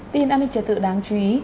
tin an ninh trẻ tự đáng chú ý